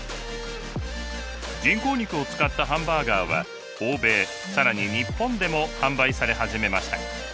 人工肉を使ったハンバーガーは欧米更に日本でも販売され始めました。